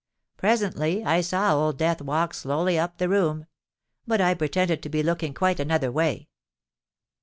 Presently I saw Old Death walk slowly up the room: but I pretended to be looking quite another way.